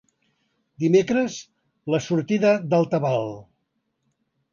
Dimecres, la sortida del tabal.